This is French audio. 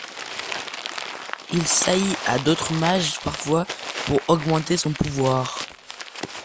Il s’allie à d’autres mages parfois pour augmenter son pouvoir.